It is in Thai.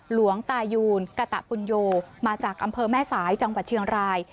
หลวงตายูนกะตะปุญโยมาจากอำเภอแม่สายจังหวัดเชียงราย